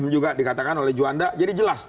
juga dikatakan oleh juanda jadi jelas